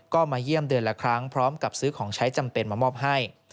ก็มาเยี่ยมเดือนละครั้งพร้อมกับซื้อของใช้จำเป็นมามอบให้